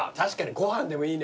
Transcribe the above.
ご飯でもいいね。